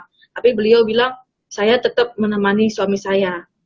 tapi beliau bilang saya tetap menemani suami saya